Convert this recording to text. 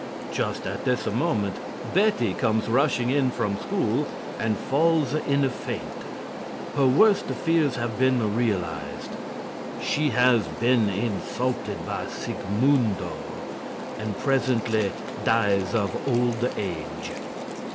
Just at this moment Betty comes rushing in from school and falls in a faint. Her worst fears have been realized. She has been insulted by Sigmundo, and presently dies of old age.